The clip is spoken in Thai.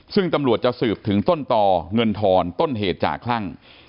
ซึ่งตำรวจจะสืบถึงต้นต่อเงินทอนต้นเหตุจากคลั่ง